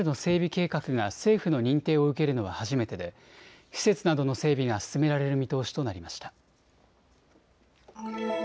計画が政府の認定を受けるのは初めてで施設などの整備が進められる見通しとなりました。